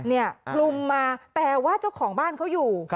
คลุมมาแต่ว่าเจ้าของบ้านเขาอยู่